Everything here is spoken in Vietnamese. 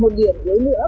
một điểm dưới nửa